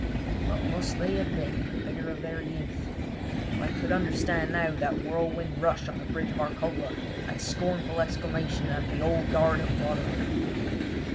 What must they have been in the vigour of their youth. I could understand now that whirlwind rush on the bridge of Arcola, that scornful exclamation of the Old Guard at Waterloo!